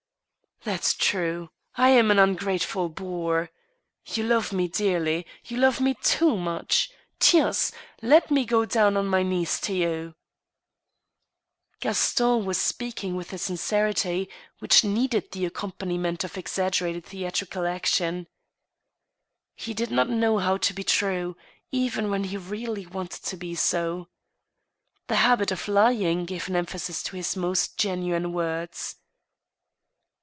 "That's true. I am an ungrateful boor. You love mc dearly. You love me too much. ... Tiens! Let me go down on my knees to you !" 56 THE STEEL HAMMER. Gaston was speaking with a sincerity which needed the ac companiment of exaggerated theatrical action. He did not know how to be true, even when he really wanted to be so, The habit of lying gave an emphasis to his most genuine words.